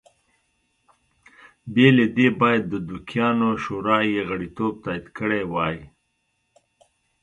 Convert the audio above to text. بې له دې باید د دوکیانو شورا یې غړیتوب تایید کړی وای